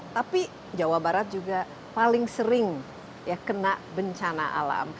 tapi jawa barat juga paling sering ya kena bencana alam